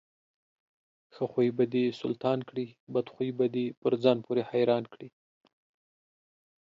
ښه خوى به دسلطان کړي، بدخوى به دپرځان پورې حيران کړي.